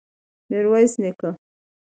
ميرويس نيکه!